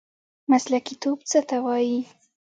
مسلکي توب څه ته وایي؟